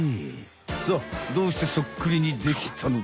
さっどうしてそっくりにできたのか。